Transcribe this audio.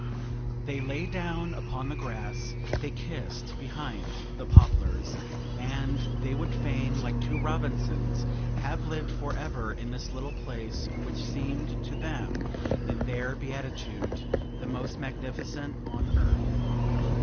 They lay down upon the grass; they kissed behind the poplars; and they would fain, like two Robinsons, have lived for ever in this little place, which seemed to them in their beatitude the most magnificent on earth.